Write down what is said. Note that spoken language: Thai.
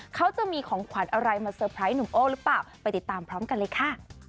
เขาจะมีของขวัญอะไรมาเตอร์ไพรสหนุ่มโอ้หรือเปล่าไปติดตามพร้อมกันเลยค่ะ